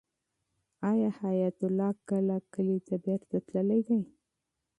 آیا حیات الله کله کلي ته بېرته تللی دی؟